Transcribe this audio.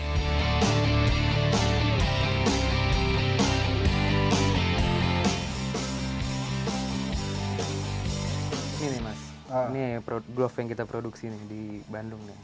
mas ini nih mas ini glove yang kita produksi di bandung